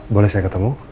boleh saya ketemu